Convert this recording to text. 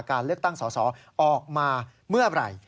การเลือกตั้งสอสอออกมาเมื่อไหร่